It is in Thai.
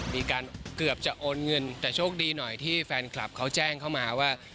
มีการเกือบจะโอนเงินแต่โชคดีหน่อยที่แฟนคลับเขาแจ้งเข้ามาว่า